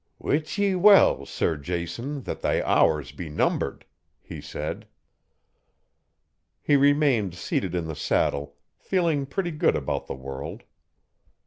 "Wit ye well, Sir Jason, that thy hours be numbered," he said. He remained seated in the saddle, feeling pretty good about the world.